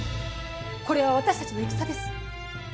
これは私たちの戦です。